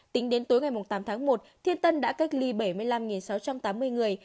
tính đến tối ngày tám tháng một thiên tân đã cách ly bảy mươi năm sáu trăm tám mươi người